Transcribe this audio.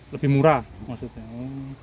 lebih murah maksudnya